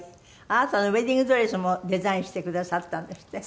あなたのウェディングドレスもデザインしてくださったんですって？